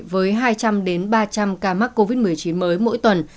với hai trăm linh ba trăm linh ca mắc covid một mươi chín mới mỗi tuần